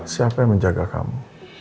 siapa yang menjaga kamu